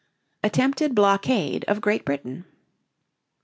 ATTEMPTED BLOCKADE OF GREAT BRITAIN.